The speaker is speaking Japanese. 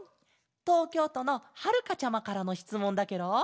とうきょうとのはるかちゃまからのしつもんだケロ。